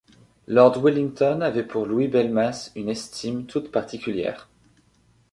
Lord Wellington avait pour Louis Belmas une estime toute particulière.